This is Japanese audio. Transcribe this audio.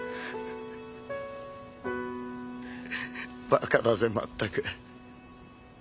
バカだぜまったく。